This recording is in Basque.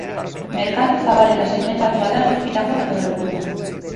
Merkatu zabal eta segmentatua da eguzkitako betaurrekoena.